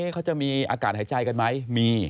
เขาจะมีอากาศหายใจกันไหมมี